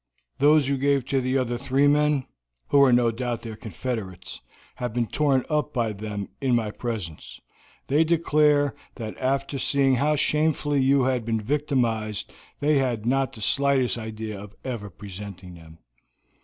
Those you gave to the other three men, who were no doubt their confederates, have been torn up by them in my presence. They declare that after seeing how shamefully you had been victimized they had not the slightest idea of ever presenting them."